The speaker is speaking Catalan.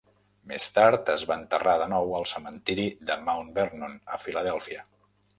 Més tard, es va enterrar de nou al cementiri de Mount Vernon a Filadèlfia.